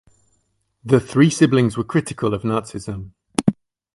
The three siblings were critical of Nazism.